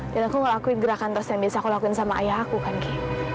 dan aku ngelakuin gerakan tos yang bisa aku lakuin sama ayah aku kan ki